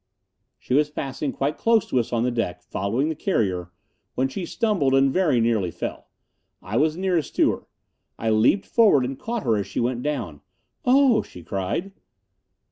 She was passing quite close to us on the deck, following the carrier, when she stumbled and very nearly fell. I was nearest to her. I leaped forward and caught her as she went down. "Oh!" she cried.